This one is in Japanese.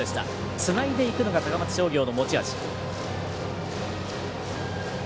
つないでいくのが高松商業の持ち味。